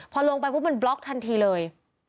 พอลงไปปุ๊บมันบล็อกทันทีเลย